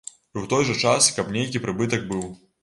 І ў той жа час, каб нейкі прыбытак быў.